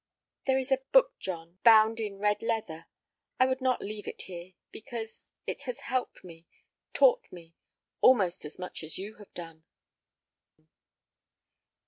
"There is a book, John, bound in red leather. I would not leave it here—because—it has helped me—taught me—almost as much as you have done."